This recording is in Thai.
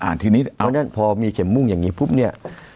เพราะฉะนั้นพอมีเข็มมุ่งอย่างนี้